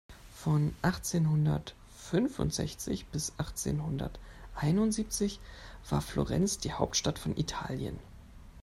Von achtzehn-hundert-fünfundsechzig bis achtzehn-hundert-einundsiebzig war Florenz die Hauptstadt von Italien.